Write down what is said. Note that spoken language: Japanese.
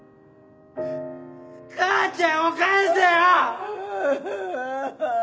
母ちゃんを返せよ！！